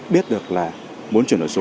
biết được là muốn chuyển đổi số